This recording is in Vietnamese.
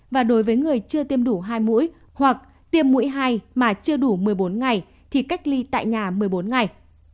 và đối với người chưa tiêm đủ hai mũi hoặc tiêm mũi hai mà chưa đủ một mươi bốn ngày thì cách ly tại nhà một mươi bốn ngày